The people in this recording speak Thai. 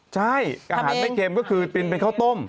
ใช่อาหารไม่เค็มก็คือตินเป็นข้าวต้ม